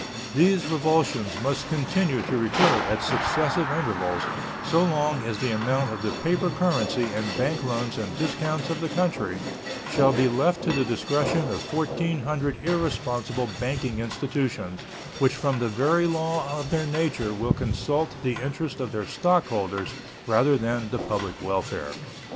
These revulsions must continue to recur at successive intervals so long as the amount of the paper currency and bank loans and discounts of the country shall be left to the discretion of 1,400 irresponsible banking institutions, which from the very law of their nature will consult the interest of their stockholders rather than the public welfare.